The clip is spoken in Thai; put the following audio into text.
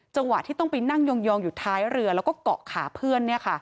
จังหวะที่ต้องไปนั่งยองอยู่ท้ายเรือแล้วก็เกาะขาเพื่อน